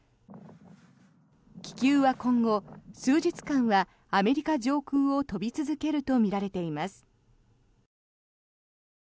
気球は今後、数日間はアメリカ上空を飛び続けるとみられています。